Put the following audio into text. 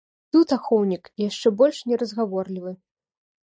Тут ахоўнік яшчэ больш неразгаворлівы.